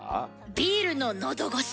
ビールののどごし。